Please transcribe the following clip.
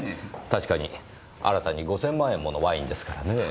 確かに新たに５０００万円ものワインですからねぇ。